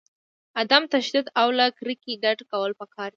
عدم تشدد او له کرکې ډډه کول پکار دي.